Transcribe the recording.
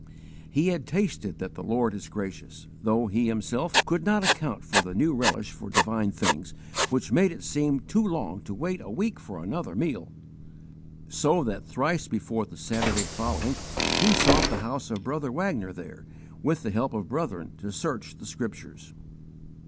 _ He had tasted that the Lord is gracious, though he himself could not account for the new relish for divine things which made it seem too long to wait a week for another meal; so that thrice before the Saturday following he sought the house of brother Wagner, there, with the help of brethren, to search the Scriptures.